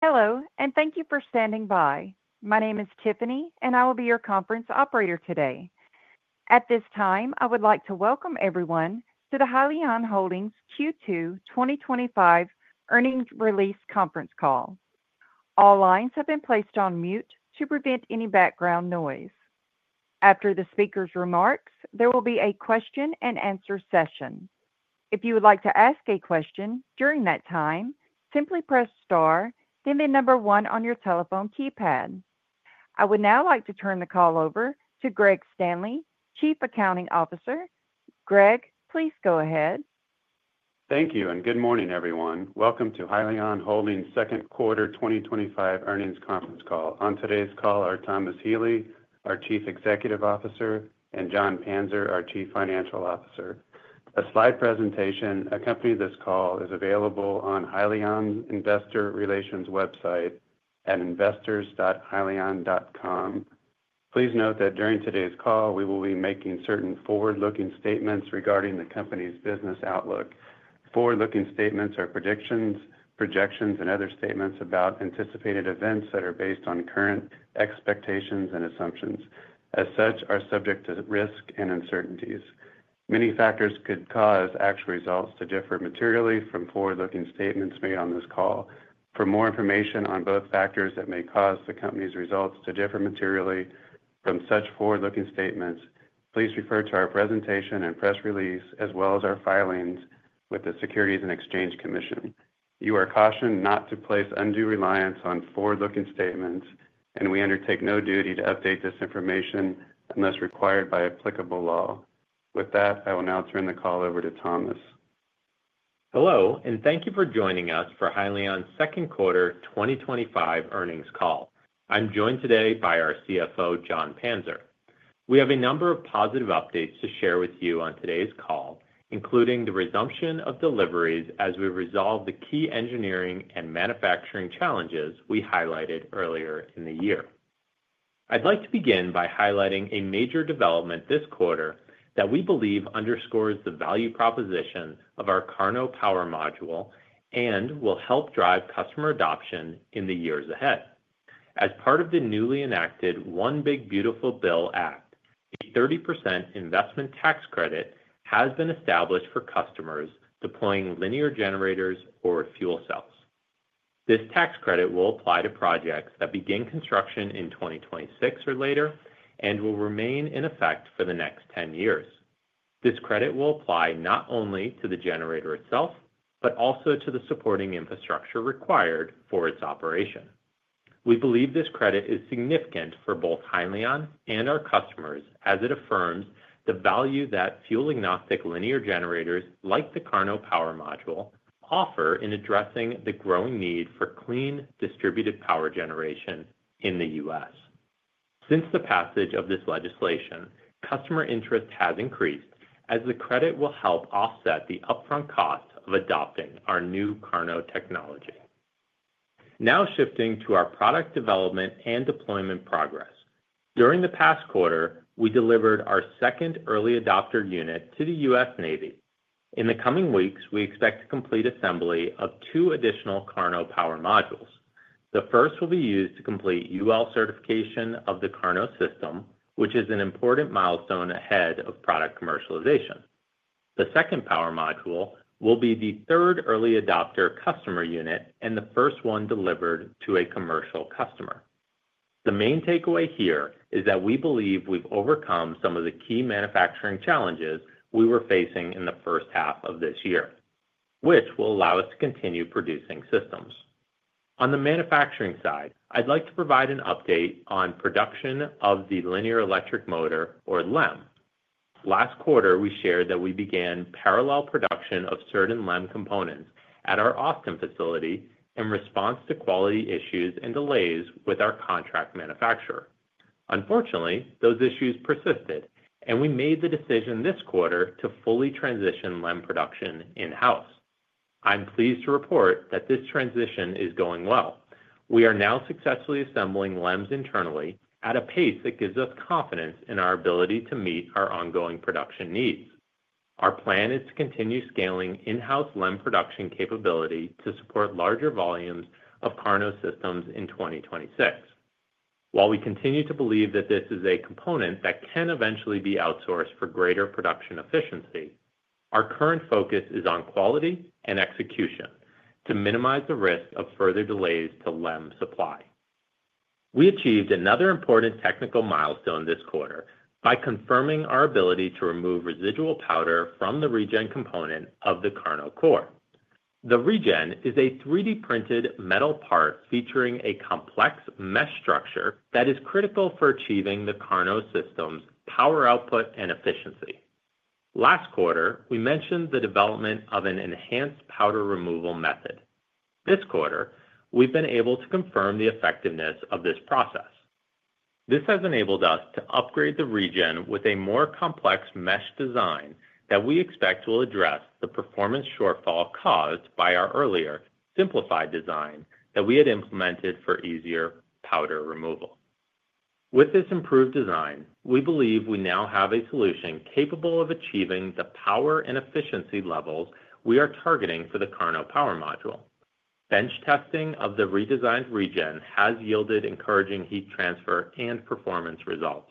Hello, and thank you for standing by. My name is Tiffany, and I will be your conference operator today. At this time, I would like to welcome everyone to the Hyliion Holdings' Q2 2025 Earnings Release Conference Call. All lines have been placed on mute to prevent any background noise. After the speaker's remarks, there will be a question and answer session. If you would like to ask a question during that time, simply press star, then the number one on your telephone keypad. I would now like to turn the call over to Greg Standley, Chief Accounting Officer. Greg, please go ahead. Thank you, and good morning, everyone. Welcome to Hyliion Holdings' Second Quarter 2025 Earnings Conference Call. On today's call are Thomas Healy, our Chief Executive Officer, and Jon Panzer, our Chief Financial Officer. A slide presentation accompanying this call is available on Hyliion's investor relations website at investors.hyliion.com. Please note that during today's call, we will be making certain forward-looking statements regarding the company's business outlook. Forward-looking statements are predictions, projections, and other statements about anticipated events that are based on current expectations and assumptions. As such, they are subject to risks and uncertainties. Many factors could cause actual results to differ materially from forward-looking statements made on this call. For more information on both factors that may cause the company's results to differ materially from such forward-looking statements, please refer to our presentation and press release, as well as our filings with the Securities and Exchange Commission. You are cautioned not to place undue reliance on forward-looking statements, and we undertake no duty to update this information unless required by applicable law. With that, I will now turn the call over to Thomas. Hello, and thank you for joining us for Hyliion's second quarter 2025 earnings call. I'm joined today by our CFO, Jon Panzer. We have a number of positive updates to share with you on today's call, including the resumption of deliveries as we resolve the key engineering and manufacturing challenges we highlighted earlier in the year. I'd like to begin by highlighting a major development this quarter that we believe underscores the value proposition of our Carno Power Module and will help drive customer adoption in the years ahead. As part of the newly enacted One Big Beautiful Build Act, a 30% investment tax credit has been established for customers deploying linear generators or fuel cells. This tax credit will apply to projects that begin construction in 2026 or later and will remain in effect for the next 10 years. This credit will apply not only to the generator itself, but also to the supporting infrastructure required for its operation. We believe this credit is significant for both Hyliion and our customers as it affirms the value that fuel-agnostic linear generators like the Carno Power Module offer in addressing the growing need for clean, distributed power generation in the U.S. Since the passage of this legislation, customer interest has increased as the credit will help offset the upfront cost of adopting our new Carno technology. Now shifting to our product development and deployment progress. During the past quarter, we delivered our second early adopter unit to the U.S. Navy. In the coming weeks, we expect to complete assembly of two additional Carno Power Modules. The first will be used to complete UL certification of the Carno system, which is an important milestone ahead of product commercialization. The second Power Module will be the third early adopter customer unit and the first one delivered to a commercial customer. The main takeaway here is that we believe we've overcome some of the key manufacturing challenges we were facing in the first half of this year, which will allow us to continue producing systems. On the manufacturing side, I'd like to provide an update on production of the Linear Electric Motor, or LEM. Last quarter, we shared that we began parallel production of certain LEM components at our Austin facility in response to quality issues and delays with our contract manufacturer. Unfortunately, those issues persisted, and we made the decision this quarter to fully transition LEM production in-house. I'm pleased to report that this transition is going well. We are now successfully assembling LEMs internally at a pace that gives us confidence in our ability to meet our ongoing production needs. Our plan is to continue scaling in-house LEM production capability to support larger volumes of Carno systems in 2026. While we continue to believe that this is a component that can eventually be outsourced for greater production efficiency, our current focus is on quality and execution to minimize the risk of further delays to LEM supply. We achieved another important technical milestone this quarter by confirming our ability to remove residual powder from the regen component of the Carno core. The regen is a 3D printed metal part featuring a complex mesh structure that is critical for achieving the Carno system's power output and efficiency. Last quarter, we mentioned the development of an enhanced powder removal method. This quarter, we've been able to confirm the effectiveness of this process. This has enabled us to upgrade the regen with a more complex mesh design that we expect will address the performance shortfall caused by our earlier simplified design that we had implemented for easier powder removal. With this improved design, we believe we now have a solution capable of achieving the power and efficiency levels we are targeting for the Carno Power Module. Bench testing of the redesigned regen has yielded encouraging heat transfer and performance results.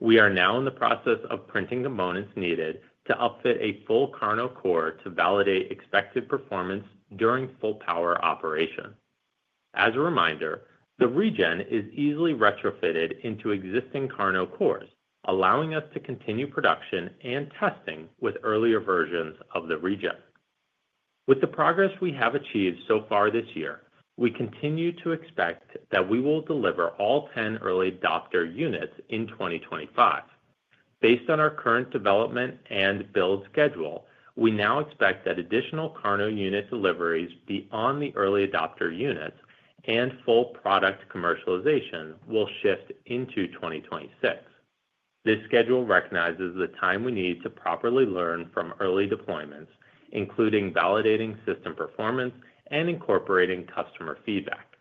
We are now in the process of printing components needed to upfit a full Carno core to validate expected performance during full power operation. As a reminder, the regen is easily retrofitted into existing Carno cores, allowing us to continue production and testing with earlier versions of the regen. With the progress we have achieved so far this year, we continue to expect that we will deliver all 10 early adopter units in 2025. Based on our current development and build schedule, we now expect that additional Carno unit deliveries beyond the early adopter units and full product commercialization will shift into 2026. This schedule recognizes the time we need to properly learn from early deployments, including validating system performance and incorporating customer feedback.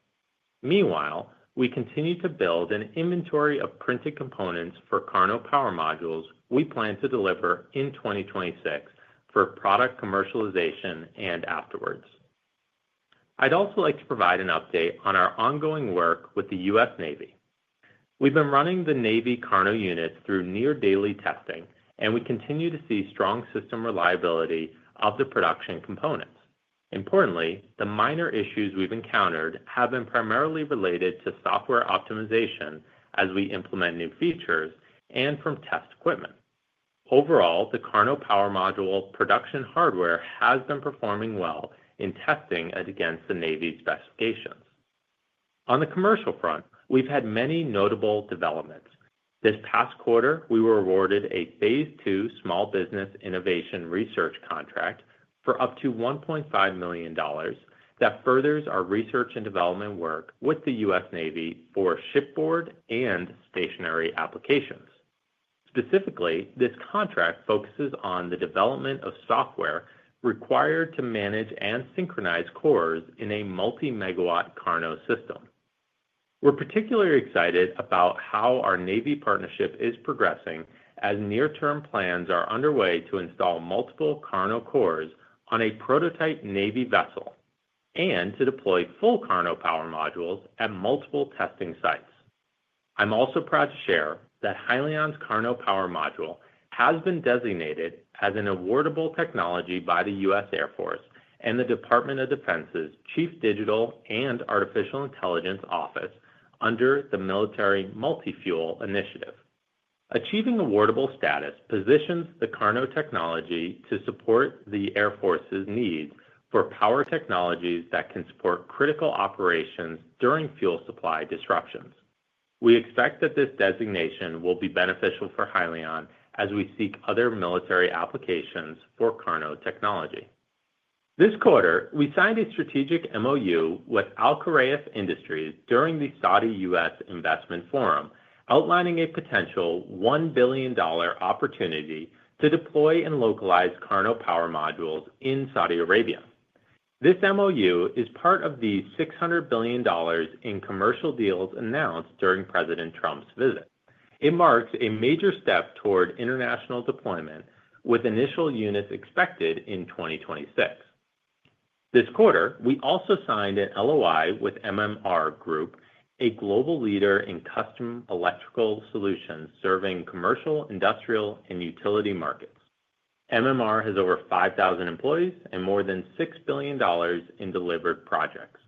Meanwhile, we continue to build an inventory of printed components for Carno Power Modules we plan to deliver in 2026 for product commercialization and afterwards. I'd also like to provide an update on our ongoing work with the U.S. Navy. We've been running the Navy Carno units through near-daily testing, and we continue to see strong system reliability of the production components. Importantly, the minor issues we've encountered have been primarily related to software optimization as we implement new features and from test equipment. Overall, the Carno Power Module production hardware has been performing well in testing against the Navy's specifications. On the commercial front, we've had many notable developments. This past quarter, we were awarded a Phase II Small Business Innovation Research contract for up to $1.5 million that furthers our research and development work with the U.S. Navy for shipboard and stationary applications. Specifically, this contract focuses on the development of software required to manage and synchronize cores in a multi-megawatt Carno system. We're particularly excited about how our Navy partnership is progressing as near-term plans are underway to install multiple Carno cores on a prototype Navy vessel and to deploy full Carno Power Modules at multiple testing sites. I'm also proud to share that Hyliion's Carno Power Module has been designated as an awardable technology by the U.S. Air Force and the Department of Defense’s Chief Digital and Artificial Intelligence Office under the Military Multifuel Initiative. Achieving awardable status positions the Carno technology to support the Air Force's needs for power technologies that can support critical operations during fuel supply disruptions. We expect that this designation will be beneficial for Hyliion as we seek other military applications for Carno technology. This quarter, we signed a strategic MOU with Alkhorayef Industries during the Saudi-U.S. Investment Forum, outlining a potential $1 billion opportunity to deploy and localize Carno Power Modules in Saudi Arabia. This MOU is part of the $600 billion in commercial deals announced during President Trump's visit. It marks a major step toward international deployment, with initial units expected in 2026. This quarter, we also signed an LOI with MMR Group, a global leader in custom electrical solutions serving commercial, industrial, and utility markets. MMR has over 5,000 employees and more than $6 billion in delivered projects.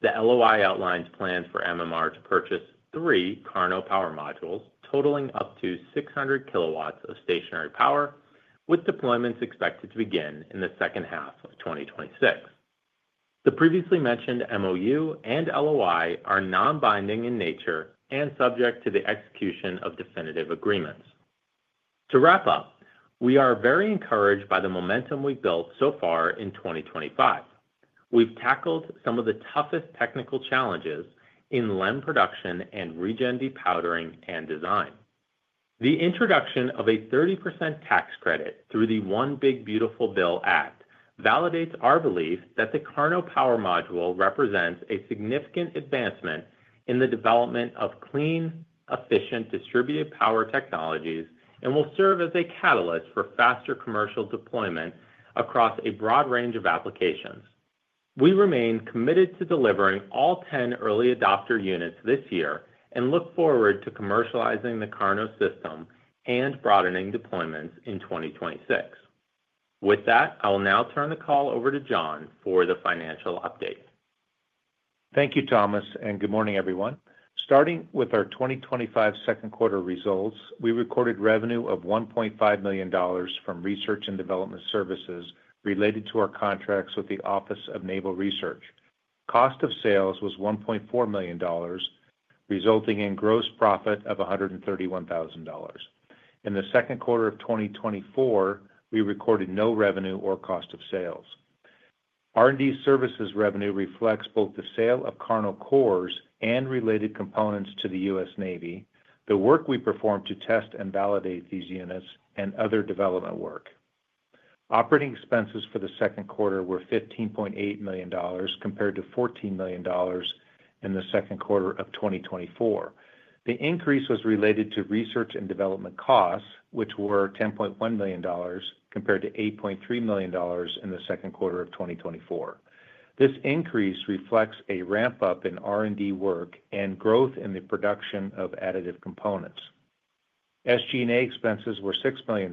The LOI outlines plans for MMR Group to purchase three Carno Power Modules, totaling up to 600 kW of stationary power, with deployments expected to begin in the second half of 2026. The previously mentioned MOU and LOI are non-binding in nature and subject to the execution of definitive agreements. To wrap up, we are very encouraged by the momentum we've built so far in 2025. We've tackled some of the toughest technical challenges in LEM production and regen de-powdering and design. The introduction of a 30% tax credit through the One Big Beautiful Build Act validates our belief that the Carno Power Module represents a significant advancement in the development of clean, efficient distributed power technologies and will serve as a catalyst for faster commercial deployment across a broad range of applications. We remain committed to delivering all 10 early adopter units this year and look forward to commercializing the Carno system and broadening deployments in 2026. With that, I will now turn the call over to Jon for the financial update. Thank you, Thomas, and good morning, everyone. Starting with our 2025 second quarter results, we recorded revenue of $1.5 million from research and development services related to our contracts with the Office of Naval Research. Cost of sales was $1.4 million, resulting in gross profit of $131,000. In the second quarter of 2024, we recorded no revenue or cost of sales. R&D services revenue reflects both the sale of Carno cores and related components to the U.S. Navy, the work we performed to test and validate these units, and other development work. Operating expenses for the second quarter were $15.8 million compared to $14 million in the second quarter of 2024. The increase was related to research and development costs, which were $10.1 million compared to $8.3 million in the second quarter of 2024. This increase reflects a ramp-up in R&D work and growth in the production of additive components. SG&A expenses were $6 million,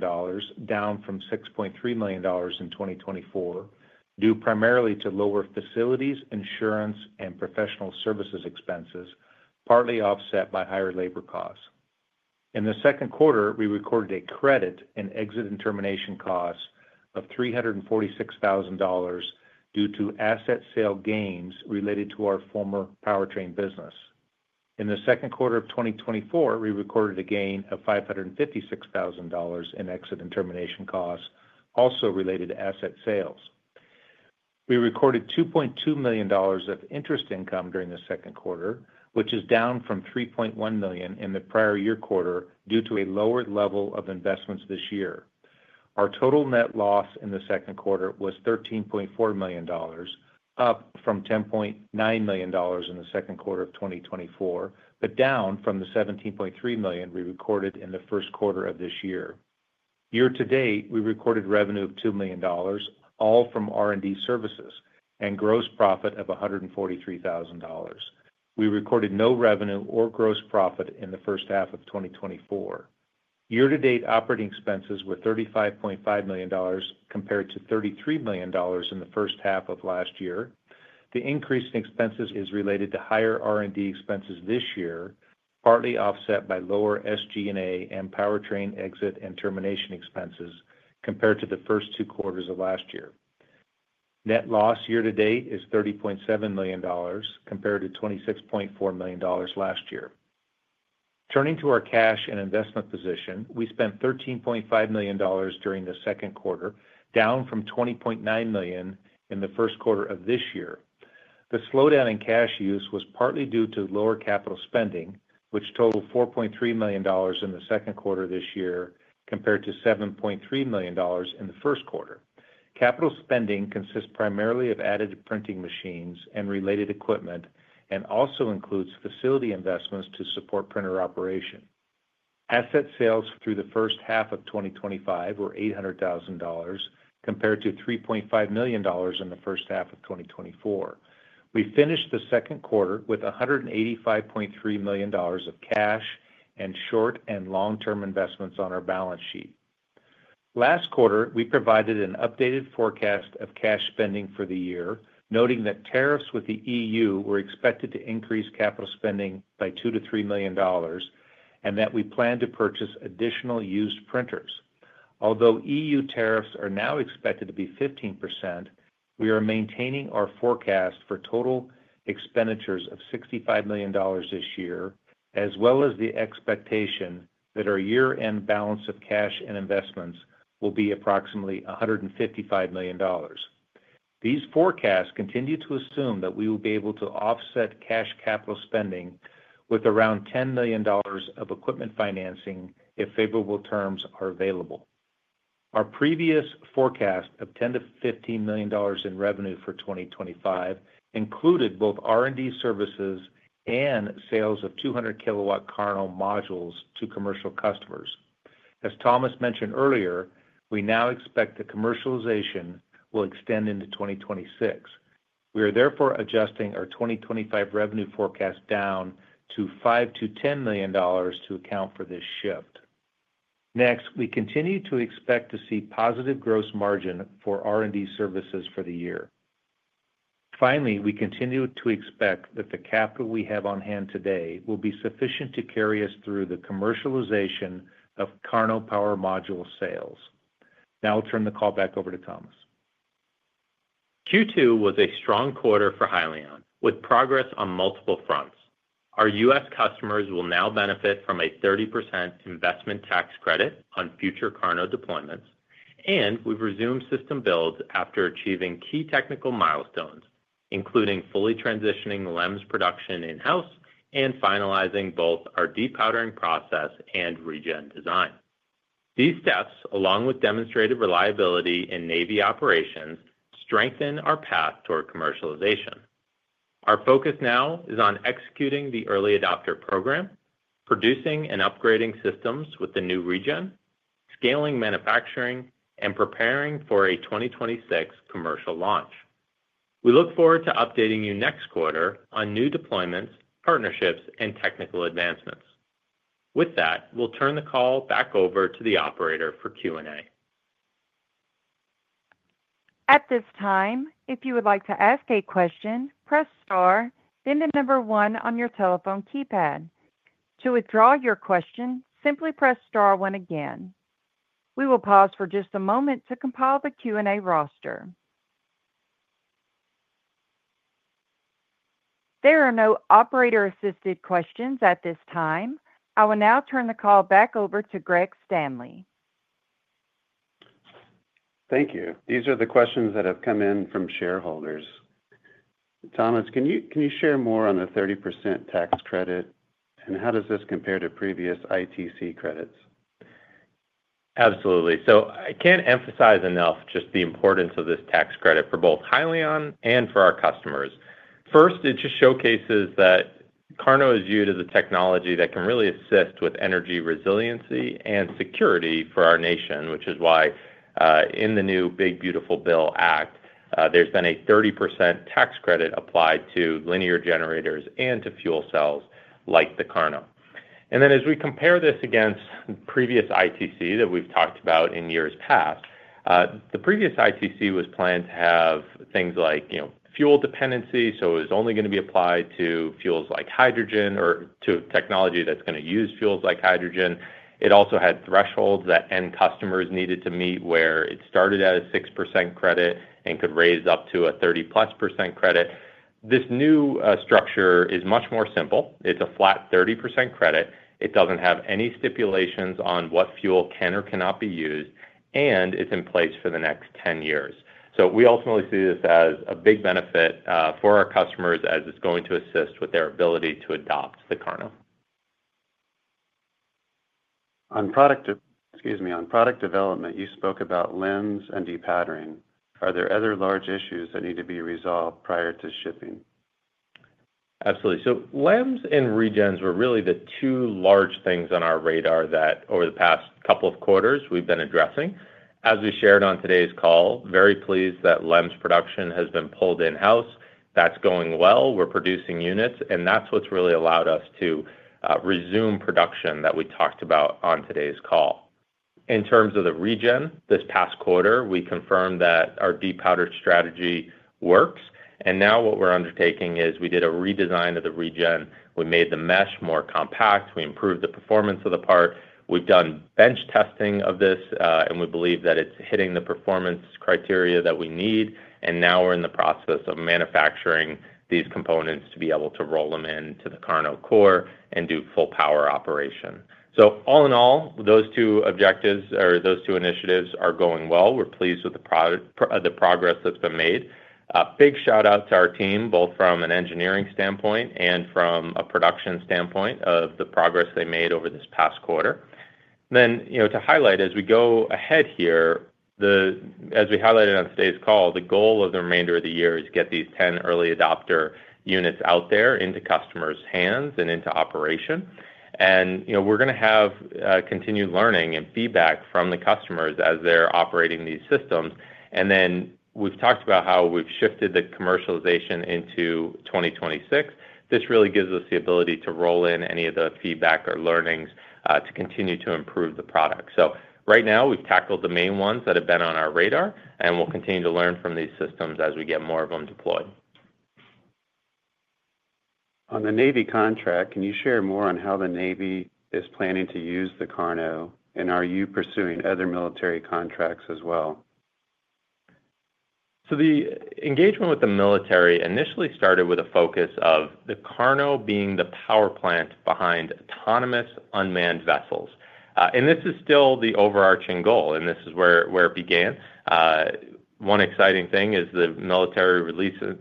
down from $6.3 million in 2024, due primarily to lower facilities, insurance, and professional services expenses, partly offset by higher labor costs. In the second quarter, we recorded a credit and exit and termination cost of $346,000 due to asset sale gains related to our former powertrain business. In the second quarter of 2024, we recorded a gain of $556,000 in exit and termination costs, also related to asset sales. We recorded $2.2 million of interest income during the second quarter, which is down from $3.1 million in the prior year quarter due to a lower level of investments this year. Our total net loss in the second quarter was $13.4 million, up from $10.9 million in the second quarter of 2024, but down from the $17.3 million we recorded in the first quarter of this year. Year to date, we recorded revenue of $2 million, all from R&D services, and gross profit of $143,000. We recorded no revenue or gross profit in the first half of 2024. Year to date, operating expenses were $35.5 million compared to $33 million in the first half of last year. The increase in expenses is related to higher R&D expenses this year, partly offset by lower SG&A and powertrain exit and termination expenses compared to the first two quarters of last year. Net loss year to date is $30.7 million compared to $26.4 million last year. Turning to our cash and investment position, we spent $13.5 million during the second quarter, down from $20.9 million in the first quarter of this year. The slowdown in cash use was partly due to lower capital spending, which totaled $4.3 million in the second quarter of this year compared to $7.3 million in the first quarter. Capital spending consists primarily of additive printing machines and related equipment and also includes facility investments to support printer operation. Asset sales through the first half of 2025 were $800,000 compared to $3.5 million in the first half of 2024. We finished the second quarter with $185.3 million of cash and short and long-term investments on our balance sheet. Last quarter, we provided an updated forecast of cash spending for the year, noting that tariffs with the EU were expected to increase capital spending by $2 million-$3 million and that we plan to purchase additional used printers. Although EU tariffs are now expected to be 15%, we are maintaining our forecast for total expenditures of $65 million this year, as well as the expectation that our year-end balance of cash and investments will be approximately $155 million. These forecasts continue to assume that we will be able to offset cash capital spending with around $10 million of equipment financing if favorable terms are available. Our previous forecast of $10 million-$15 million in revenue for 2025 included both R&D services and sales of 200 kW Carno modules to commercial customers. As Thomas mentioned earlier, we now expect the commercialization will extend into 2026. We are therefore adjusting our 2025 revenue forecast down to $5 million-$10 million to account for this shift. Next, we continue to expect to see positive gross margin for R&D services for the year. Finally, we continue to expect that the capital we have on hand today will be sufficient to carry us through the commercialization of Carno Power Module sales. Now I'll turn the call back over to Thomas. Q2 was a strong quarter for Hyliion, with progress on multiple fronts. Our U.S. customers will now benefit from a 30% investment tax credit on future Carno deployments, and we've resumed system builds after achieving key technical milestones, including fully transitioning LEMs production in-house and finalizing both our de-powdering process and regen design. These steps, along with demonstrated reliability in Navy operations, strengthen our path toward commercialization. Our focus now is on executing the early adopter program, producing and upgrading systems with the new regen, scaling manufacturing, and preparing for a 2026 commercial launch. We look forward to updating you next quarter on new deployments, partnerships, and technical advancements. With that, we'll turn the call back over to the operator for Q&A. At this time, if you would like to ask a question, press star, then the number one on your telephone keypad. To withdraw your question, simply press star one again. We will pause for just a moment to compile the Q&A roster. There are no operator-assisted questions at this time. I will now turn the call back over to Greg Standley. Thank you. These are the questions that have come in from shareholders. Thomas, can you share more on the 30% tax credit, and how does this compare to previous ITC credits? Absolutely. I can't emphasize enough just the importance of this tax credit for both Hyliion and for our customers. First, it just showcases that Carno is viewed as a technology that can really assist with energy resiliency and security for our nation, which is why in the new One Big Beautiful Build Act, there's been a 30% tax credit applied to linear generators and to fuel cells like the Carno. As we compare this against the previous ITC that we've talked about in years past, the previous ITC was planned to have things like fuel dependency, so it was only going to be applied to fuels like hydrogen or to technology that's going to use fuels like hydrogen. It also had thresholds that end customers needed to meet where it started at a 6% credit and could raise up to a 30%+ credit. This new structure is much more simple. It's a flat 30% credit. It doesn't have any stipulations on what fuel can or cannot be used, and it's in place for the next 10 years. We ultimately see this as a big benefit for our customers as it's going to assist with their ability to adopt the Carno. On product development, you spoke about LEMs and de-powdering. Are there other large issues that need to be resolved prior to shipping? Absolutely. LEMs and regens were really the two large things on our radar that over the past couple of quarters we've been addressing. As we shared on today's call, very pleased that LEMs production has been pulled in-house. That's going well. We're producing units, and that's what's really allowed us to resume production that we talked about on today's call. In terms of the regen, this past quarter, we confirmed that our de-powdering strategy works, and now what we're undertaking is we did a redesign of the regen. We made the mesh more compact. We improved the performance of the part. We've done bench testing of this, and we believe that it's hitting the performance criteria that we need. Now we're in the process of manufacturing these components to be able to roll them into the Carno core and do full power operation. All in all, those two objectives or those two initiatives are going well. We're pleased with the progress that's been made. Big shout out to our team, both from an engineering standpoint and from a production standpoint, for the progress they made over this past quarter. To highlight as we go ahead here, as we highlighted on today's call, the goal of the remainder of the year is to get these 10 early adopter units out there into customers' hands and into operation. We're going to have continued learning and feedback from the customers as they're operating these systems. We've talked about how we've shifted the commercialization into 2026. This really gives us the ability to roll in any of the feedback or learnings to continue to improve the product. Right now, we've tackled the main ones that have been on our radar, and we'll continue to learn from these systems as we get more of them deployed. On the Navy contract, can you share more on how the Navy is planning to use the Carno, and are you pursuing other military contracts as well? The engagement with the military initially started with a focus of the Carno being the power plant behind autonomous unmanned vessels. This is still the overarching goal, and this is where it began. One exciting thing is the military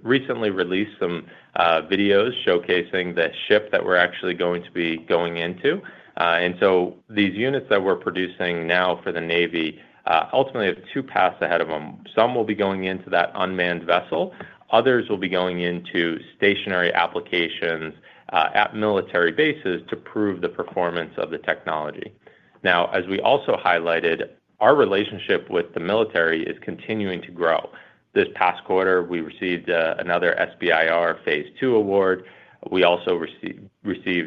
recently released some videos showcasing the ship that we're actually going to be going into. These units that we're producing now for the U.S. Navy ultimately have two paths ahead of them. Some will be going into that unmanned vessel, while others will be going into stationary applications at military bases to prove the performance of the technology. As we also highlighted, our relationship with the military is continuing to grow. This past quarter, we received another SBIR Phase II award. We also received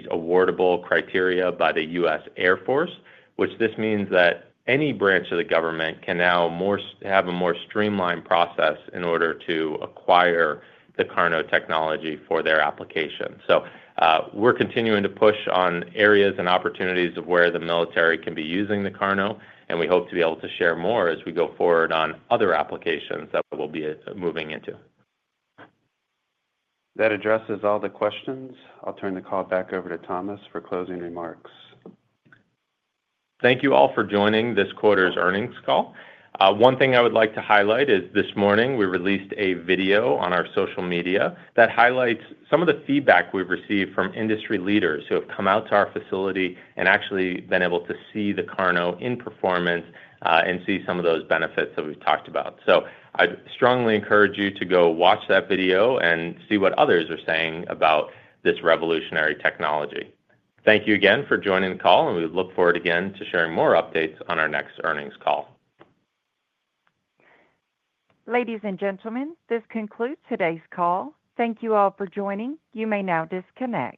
awardable criteria by the U.S. Air Force, which means that any branch of the government can now have a more streamlined process in order to acquire the Carno technology for their application. We're continuing to push on areas and opportunities of where the military can be using the Carno, and we hope to be able to share more as we go forward on other applications that we'll be moving into. That addresses all the questions. I'll turn the call back over to Thomas for closing remarks. Thank you all for joining this quarter's earnings call. One thing I would like to highlight is this morning we released a video on our social media that highlights some of the feedback we've received from industry leaders who have come out to our facility and actually been able to see the Carno in performance and see some of those benefits that we've talked about. I strongly encourage you to go watch that video and see what others are saying about this revolutionary technology. Thank you again for joining the call, and we look forward again to sharing more updates on our next earnings call. Ladies and gentlemen, this concludes today's call. Thank you all for joining. You may now disconnect.